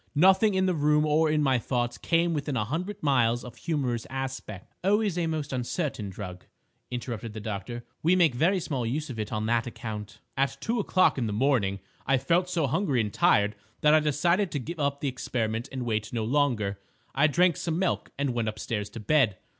Nothing in the room or in my thoughts came within a hundred miles of a humorous aspect." "Always a most uncertain drug," interrupted the doctor. "We make very small use of it on that account." "At two o'clock in the morning I felt so hungry and tired that I decided to give up the experiment and wait no longer. I drank some milk and went upstairs to bed.